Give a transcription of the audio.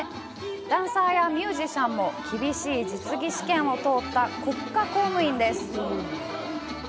ダンサーやミュージシャンも、厳しい実技試験を通った国家公務員です。